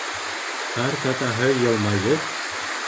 Ҡартатаһы йылмайып: